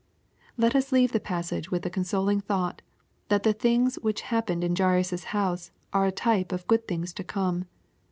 Let us leave the passage with the consoling thought^ that the things which happened in Jairus' house are a type of good things to come.